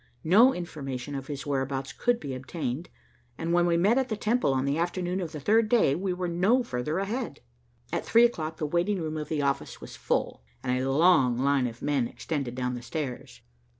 No information of his whereabouts could be obtained, and when we met at the Temple on the afternoon of the third day, we were no further ahead. At three o'clock the waiting room of the office was full, and a long line of men extended down the stairs.